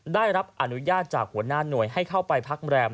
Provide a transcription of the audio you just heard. ได้รับอนุญาตจากหัวหน้าหน่วยให้เข้าไปพักแรม